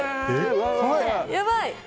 やばい！